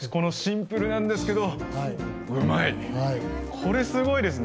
これすごいですね。